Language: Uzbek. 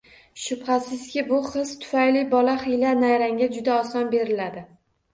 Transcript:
Shubhasizki, bu his tufayli bola hiyla-nayrangga juda oson beriladi.